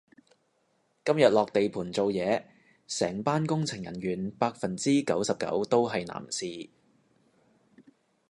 今日落地盤做嘢，成班工程人員百分之九十九都係男士